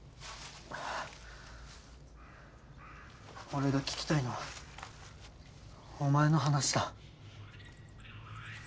俺が聞きたいのはお前の話だ。